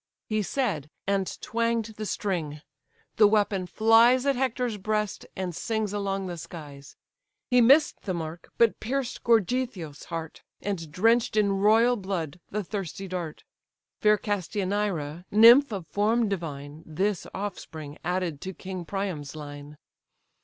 He said, and twang'd the string. The weapon flies At Hector's breast, and sings along the skies: He miss'd the mark; but pierced Gorgythio's heart, And drench'd in royal blood the thirsty dart. (Fair Castianira, nymph of form divine, This offspring added to king Priam's line.)